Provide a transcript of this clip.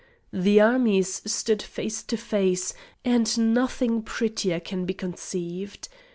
The armies stood face to face, and nothing prettier can be conceived.